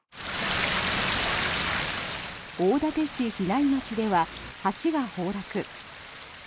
大館市比内町では橋が崩落。